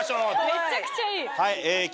めちゃくちゃいい。